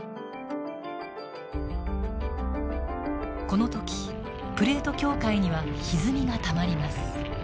この時プレート境界にはひずみがたまります。